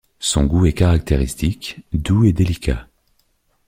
Son goût est caractéristique, doux et délicat.